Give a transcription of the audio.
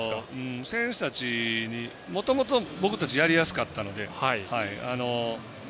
選手たち、もともと僕たちやりやすかったので。